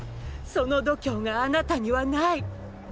その度胸があなたにはないッ！